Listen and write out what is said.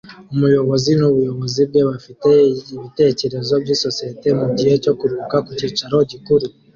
Umuyobozi nubuyobozi bwe bafite ibitekerezo byisosiyete mugihe cyo kuruhuka ku cyicaro gikuru